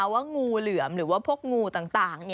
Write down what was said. ว่างูเหลี่ยมหรือพวกงูต่าง